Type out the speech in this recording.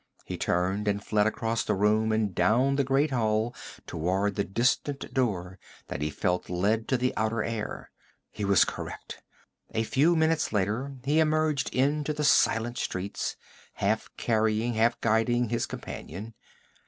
He turned and fled across the room and down the great hall toward the distant door that he felt led to the outer air. He was correct. A few minutes later he emerged into the silent streets, half carrying, half guiding his companion.